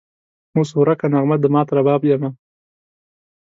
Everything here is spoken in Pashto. اوس ورکه نغمه د مات رباب یمه